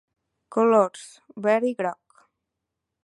Colors: verd i groc.